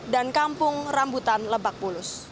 dan kampung rambutan lebak bulus